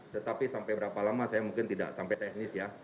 tetapi sampai berapa lama saya mungkin tidak sampai teknis ya